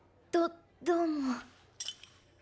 どどうも。